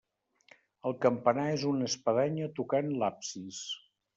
El campanar és una espadanya tocant l'absis.